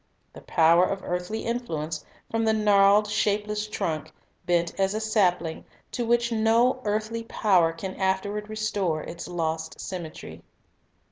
The power of early influence, from the gnarled, shape less trunk, bent as a sapling, to which no earthly power can afterward restore its lost symmetry.